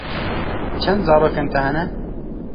Çend zarokên te hene?